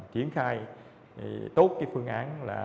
triển khai tốt cái phương án là